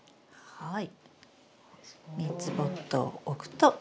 はい。